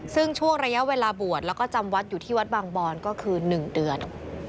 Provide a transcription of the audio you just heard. ซึ่งช่วงระยะเวลาบวชแล้วก็จำวัดอยู่ที่วัดบางบอนก็คือ๑เดือน